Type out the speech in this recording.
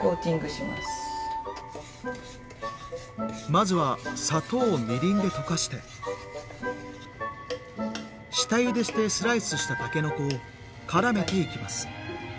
まずは砂糖をみりんで溶かして下ゆでしてスライスしたたけのこをからめていきます。